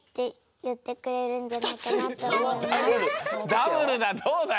ダブルだどうだい？